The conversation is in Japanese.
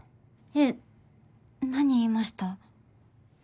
えっ何言いました？